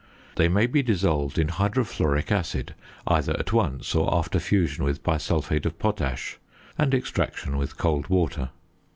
They may be dissolved in hydrofluoric acid either at once or after fusion with bisulphate of potash, and extraction with cold water.